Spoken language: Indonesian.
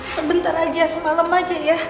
sebentar aja semalam aja dia